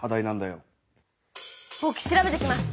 ぼく調べてきます。